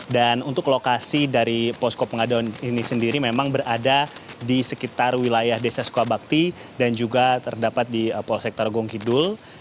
dan untuk lokasi dari posko pengaduan ini sendiri memang berada di sekitar wilayah desa sukabakti dan juga terdapat di polsek torgung kidul